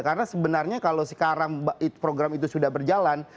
karena sebenarnya kalau sekarang program itu sudah berjalan